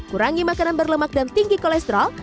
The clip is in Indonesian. kurangi makanan berlemak dan tinggi kolesterol